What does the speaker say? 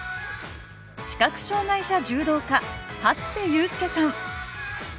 視覚障害者柔道家初瀬勇輔さん